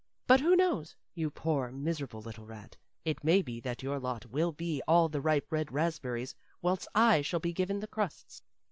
But, who knows? you poor miserable little rat; it may be that your lot will be all the ripe red raspberries, whilst I shall be given the crusts.